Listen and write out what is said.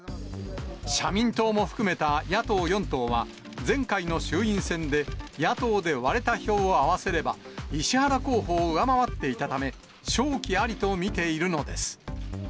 社民党も含めた野党４党は、前回の衆院選で、野党で割れた票を合わせれば、石原候補を上回っていたため、勝機ありと見ているのです。